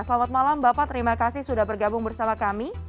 selamat malam bapak terima kasih sudah bergabung bersama kami